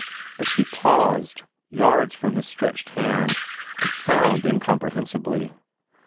But she paused yards from his stretched hand and frowned incomprehensibly.